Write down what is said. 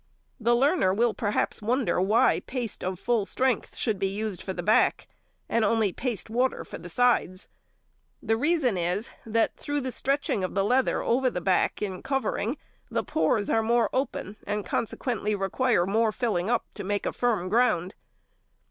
The learner will perhaps wonder why paste of full strength should be used for the back, and only paste water for the sides. The reason is, that through the stretching of the leather over the back in covering, the pores are more open, and consequently require more filling up to make a firm ground.